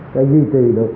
cái duy trì được